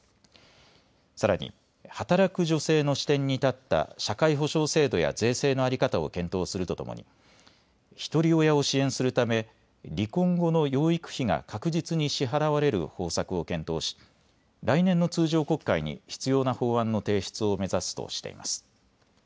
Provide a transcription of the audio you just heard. さらに働く女性の視点に立った社会保障制度や税制の在り方を検討するとともにひとり親を支援するため離婚後の養育費が確実に支払われる方策を検討し来年の通常国会に必要な法案の提出を目指すとしています。